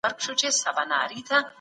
دا ليکنه باید په پښتو کي خپره سي.